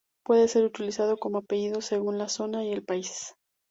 Puede ser utilizado como apellido según la zona y el país.